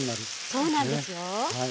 そうなんですよ。